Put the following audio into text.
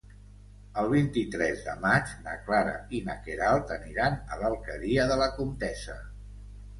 El vint-i-tres de maig na Clara i na Queralt aniran a l'Alqueria de la Comtessa.